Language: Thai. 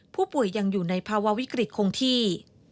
ผู้ป่วยยังอยู่ในภาวะวิกฤตคงที่